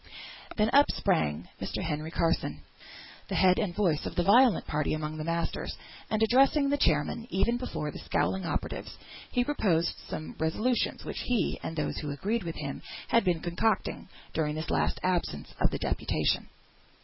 Then up sprang Mr. Henry Carson, the head and voice of the violent party among the masters, and addressing the chairman, even before the scowling operatives, he proposed some resolutions, which he, and those who agreed with him, had been concocting during this last absence of the deputation.